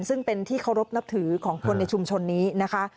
ซึ่งเป็นที่เคารพนับถือของคนในชุมชนนี้นะคะ